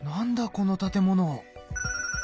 この建物。